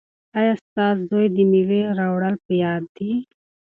ایا ستا زوی ته د مېوې راوړل په یاد دي؟